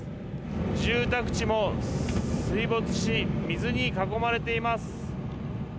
住宅地も水没し、水に囲まれています。